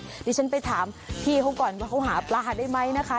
เดี๋ยวฉันไปถามพี่เขาก่อนว่าเขาหาปลาได้ไหมนะคะ